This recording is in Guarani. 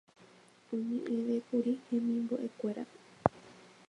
oñe'ẽvékuri hemimbo'ekuérape